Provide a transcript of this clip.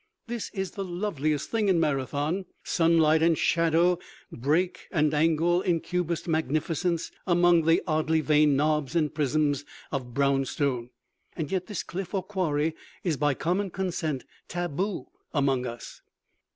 This is the loveliest thing in Marathon: sunlight and shadow break and angle in cubist magnificence among the oddly veined knobs and prisms of brown stone. Yet this cliff or quarry is by common consent taboo among us.